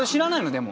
でも。